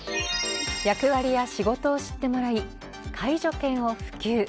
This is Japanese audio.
役割や仕事を知ってもらい介助犬を普及。